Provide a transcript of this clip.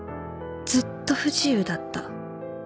「ずっと不自由だった。